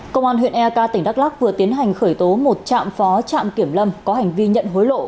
công an huyện eak tỉnh đắk lắc vừa tiến hành khởi tố một trạm phó trạm kiểm lâm có hành vi nhận hối lộ